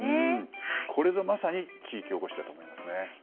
これぞまさに地域おこしだと思います。